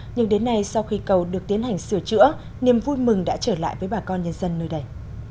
nhưng đến nay sau khi cầu được tiến hành sửa chữa niềm vui mừng đã trở lại với bà con nhân dân nơi đây